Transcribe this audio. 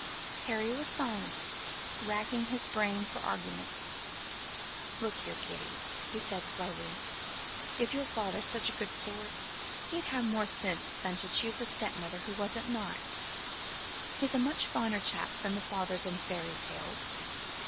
Harry was silent, racking his brain for arguments. "Look here, kiddie," he said slowly, "if your father's such a good sort, he'd have more sense than to choose a stepmother who wasn't nice. He's a much finer chap than the fathers in fairy tales.